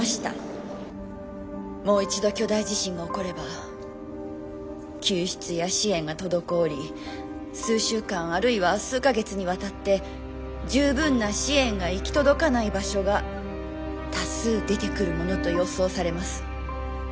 もう一度巨大地震が起これば救出や支援が滞り数週間あるいは数か月にわたって十分な支援が行き届かない場所が多数出てくるものと予想されます。